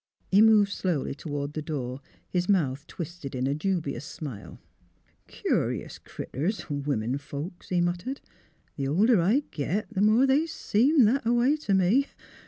He moved slowly toward the door, his mouth twisted in a dubious smile. ^' Cur 'us critters — women folks," he muttered. '' Th' older I git, th' more they seem that a way t' me.